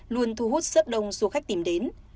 luôn thu hút rất đông du khách tìm đến